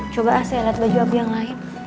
coba saya liat baju abi yang lain